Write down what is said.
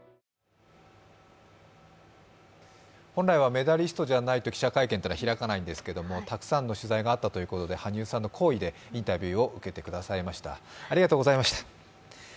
本来はメダリストじゃないと記者会見を開かないんですけどたくさんの取材があったということで、羽生さんの厚意でインタビューを受けてくださいました、ありがとうございました。